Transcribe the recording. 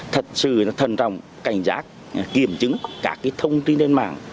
thật sự thân trọng cảnh giác kiểm chứng cả cái thông tin trên mạng